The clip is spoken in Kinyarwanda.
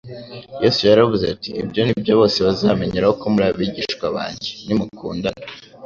Yesu yaravuze ati: «Ibyo nibyo bose bazabamenyeraho ko muri abigishwa banjye nimukundana.»